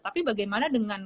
tapi bagaimana dengan